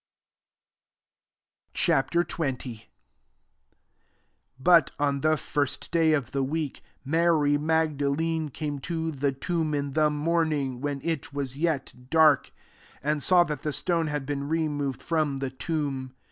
Ch. XX. 1 But on the first day of the week, Mary Magda lene came to the tomb in the morning, when it was yet dark, and saw that the stone had been removed fi"om the tomb.